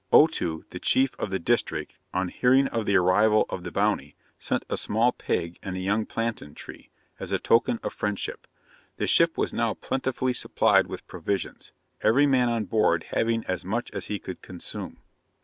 Otoo, the chief of the district, on hearing of the arrival of the Bounty, sent a small pig and a young plantain tree, as a token of friendship. The ship was now plentifully supplied with provisions; every man on board having as much as he could consume.